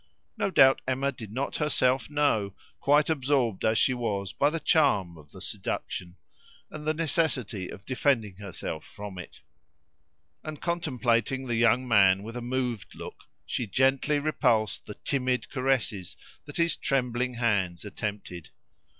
No doubt Emma did not herself know, quite absorbed as she was by the charm of the seduction, and the necessity of defending herself from it; and contemplating the young man with a moved look, she gently repulsed the timid caresses that his trembling hands attempted.